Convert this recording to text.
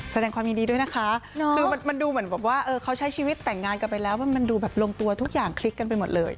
แสดงความยินดีด้วยนะคะคือมันดูเหมือนแบบว่าเขาใช้ชีวิตแต่งงานกันไปแล้วมันดูแบบลงตัวทุกอย่างคลิกกันไปหมดเลย